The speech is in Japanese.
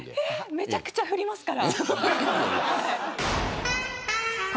めちゃくちゃ振りますから。